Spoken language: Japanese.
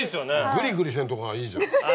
グリグリしてるとこがいいじゃん。